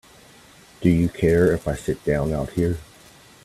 Do you care if I sit down out here?